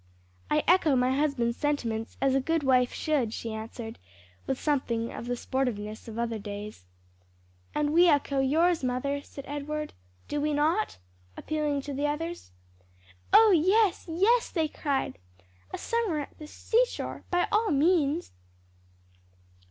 "I echo my husband's sentiments as a good wife should," she answered with something of the sportiveness of other days. "And we echo yours, mother," said Edward. "Do we not?" appealing to the others. "Oh yes, yes!" they cried, "a summer at the seashore, by all means."